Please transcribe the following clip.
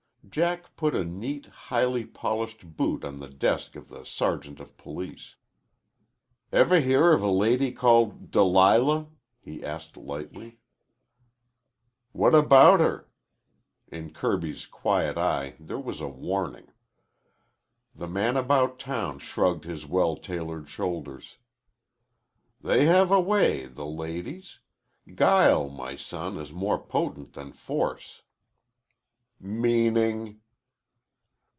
Jack put a neat, highly polished boot on the desk of the sergeant of police. "Ever hear of a lady called Delilah?" he asked lightly. "What about her?" In Kirby's quiet eye there was a warning. The man about town shrugged his well tailored shoulders. "They have a way, the ladies. Guile, my son, is more potent than force." "Meaning?"